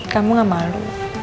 kamu gak malu